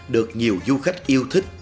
được nhiều du khách yêu thích